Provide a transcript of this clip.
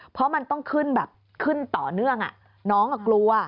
เพราะมันต้องขึ้นต่อเนื่องน้องก็กลัว